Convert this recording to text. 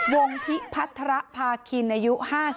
วงพิพัฒระพาคินอายุ๕๓